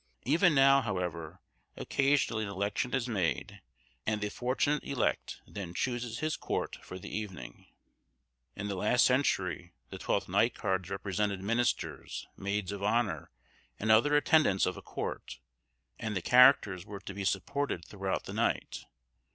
Even now, however, occasionally an election is made, and the fortunate elect then chooses his court for the evening. In the last century, the Twelfth Night cards represented ministers, maids of honour, and other attendants of a court, and the characters were to be supported throughout the night.